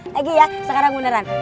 lagi ya sekarang beneran